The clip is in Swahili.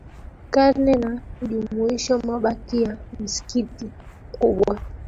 Karne ya na hujumuisha mabaki ya msikiti mkubwa